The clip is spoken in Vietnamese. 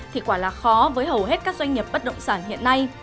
thì quả là khó với hầu hết các doanh nghiệp bất động sản hiện nay